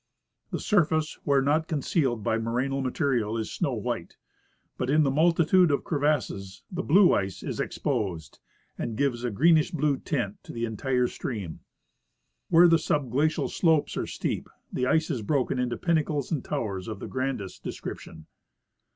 The surface, where not concealed by morainal material, is snow white ; but in the multitude of crevasses the blue ice is exposed, and gives a greenish blue tint to the entire stream. Where the subglacial slopes are steep, the ice is broken into pinnacles and towers of the grandest description.